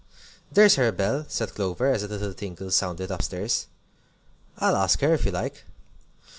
"There's her bell!" said Clover, as a little tinkle sounded up stairs; "I'll ask her, if you like."